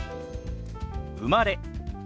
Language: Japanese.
「生まれ」。